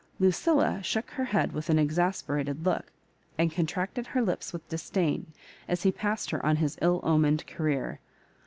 LuciUa shook her head with an exasperated look, and contracted her lips with disdain, as he passed her on his ill omened career.